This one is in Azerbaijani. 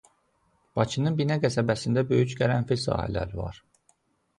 Bakının Binə qəsəbəsində böyük qərənfil sahələri var.